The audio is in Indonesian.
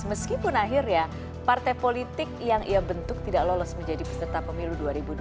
meskipun akhirnya partai politik yang ia bentuk tidak lolos menjadi peserta pemilu dua ribu dua puluh